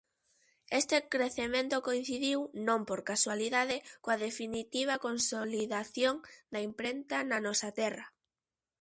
Este crecemento coincidiu, non por casualidade, coa definitiva consolidación da imprenta na nosa terra.